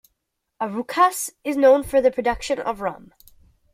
Arucas is known for the production of rum.